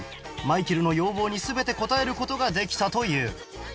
マイケルの要望に全て応える事ができたという